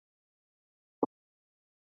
د پلورنځي ارزانه بیې پیرودونکي راجلبوي.